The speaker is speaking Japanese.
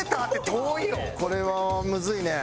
これはむずいね。